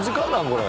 これ。